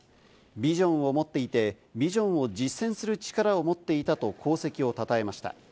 ビジョンを持っていって、ビジョンを実践する力を持っていたと功績をたたえました。